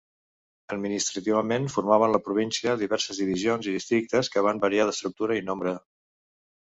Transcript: Administrativament formaven la província diverses divisions i districtes que van variar d'estructura i nombre.